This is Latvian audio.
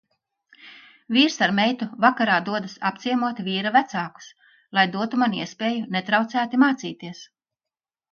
Vīrs ar meitu vakarā dodas apciemot vīra vecākus, lai dotu man iespēju netraucēti mācīties.